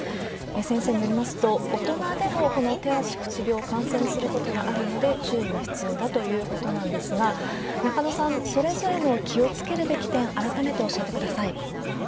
先生によりますと、大人でもこの手足口病、感染することがあるので、注意が必要だということなんですが、中野さん、それぞれの気をつけるべき点、改めて教えてください。